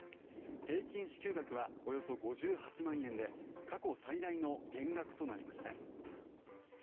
平均支給額はおよそ５８万円で過去最大の減額となりました。